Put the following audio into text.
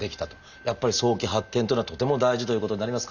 やっぱり早期発見というのはとても大事ということになりますか？